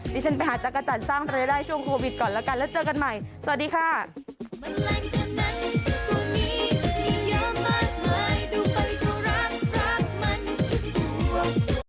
ดิฉันไปหาจักรจันทร์สร้างรายได้ช่วงโควิดก่อนแล้วกันแล้วเจอกันใหม่สวัสดีค่ะ